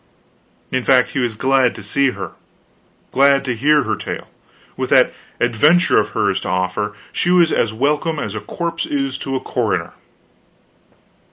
In fact, he was glad to see her, glad to hear her tale; with that adventure of hers to offer, she was as welcome as a corpse is to a coroner.